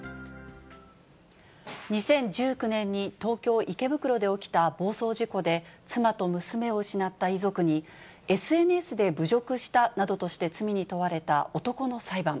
２０１９年に東京・池袋で起きた暴走事故で、妻と娘を失った遺族に、ＳＮＳで侮辱したなどとして罪に問われた男の裁判。